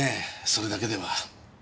それだけでは。